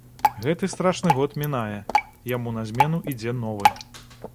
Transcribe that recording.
Гэты страшны год мінае, яму на змену ідзе новы.